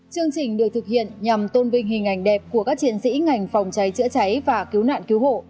chương trình được thực hiện nhằm tôn vinh hình ảnh đẹp của các chiến sĩ ngành phòng cháy chữa cháy và cứu nạn cứu hộ